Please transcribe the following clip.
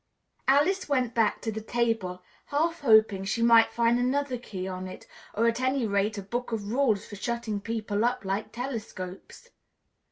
Alice went back to the table, half hoping she might find another key on it, or at any rate, a book of rules for shutting people up like telescopes.